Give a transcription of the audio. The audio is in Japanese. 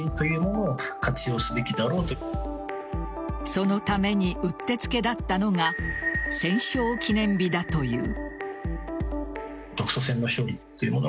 そのためにうってつけだったのが戦勝記念日だという。